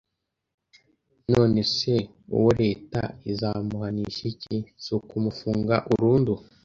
None se uwo Leta izamuhanisha iki Si ukumufunga urundu